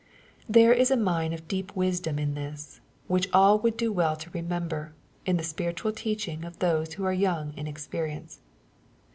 ' There is a mine of deep wisdom in this, which all would do well to remember, in the spiritual teaching of those who are young in experience.